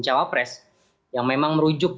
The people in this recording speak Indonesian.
cawapres yang memang merujuk